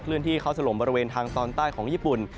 ที่เข้าถล่มบริเวณทางตอนใต้ของญี่ปุ่น